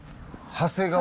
長谷川